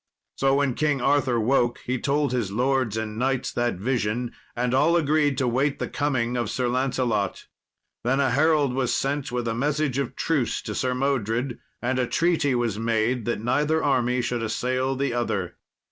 So when King Arthur woke he told his lords and knights that vision, and all agreed to wait the coming of Sir Lancelot. Then a herald was sent with a message of truce to Sir Modred, and a treaty was made that neither army should assail the other.